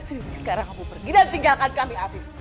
ini sekarang kamu pergi dan singgahkan kami afis